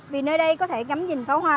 vì nơi đây có thể ngắm nhìn pháo hoa